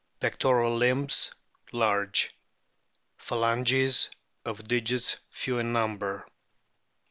Pectoral limbs large ; phalanges of digits few in number.